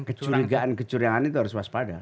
kecurigaan kecurigaan itu harus waspada